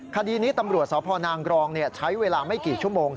คดีนี้ตำรวจสพนางกรองใช้เวลาไม่กี่ชั่วโมง